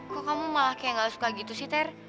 kok kamu malah kayak gak suka gitu sih ter